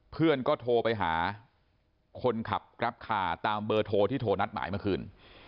เพื่อนก็โทรไปหาคนขับแกรปคาร์ตามเบอร์โทรที่โทรนัดหมายเมื่อคืน